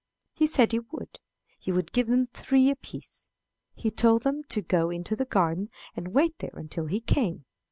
He said he would. He would give them three apiece. He told them to go into the garden and wait there until he came.